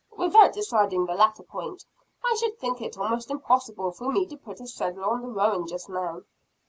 "Without deciding the latter point, I should think it almost impossible for me to put a saddle on the roan just now."